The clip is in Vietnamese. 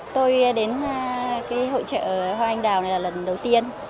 tôi đến cái hội trợ hoa anh đào này là lần đầu tiên